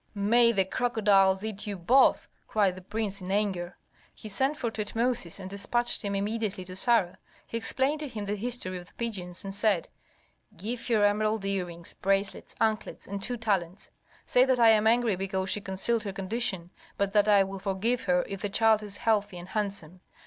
"May the crocodiles eat you both!" cried the prince, in anger. He sent for Tutmosis and despatched him immediately to Sarah. He explained to him the history of the pigeons, and said, "Give her emerald earrings, bracelets, anklets, and two talents. Say that I am angry because she concealed her condition, but that I will forgive her if the child is healthy and handsome.